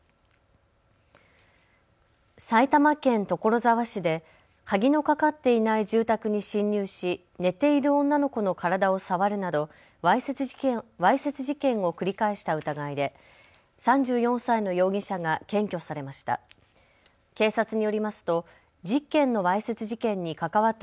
埼玉県所沢市で鍵のかかっていない住宅に侵入し寝ている女の子の体を触るなどわいせつ事件を繰り返した疑いで３４歳の容疑者が検挙されました。